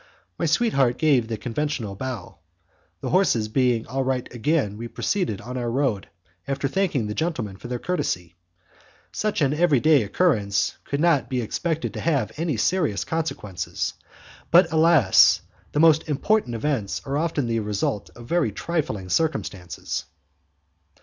My sweetheart gave the conventional bow. The horse being all right again, we proceeded on our road after thanking the gentlemen for their courtesy. Such an every day occurrence could not be expected to have any serious consequences, but alas! the most important events are often the result of very trifling circumstances!